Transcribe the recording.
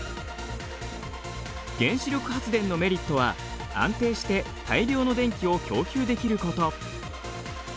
原子力発電のメリットは安定して大量の電気を供給できること。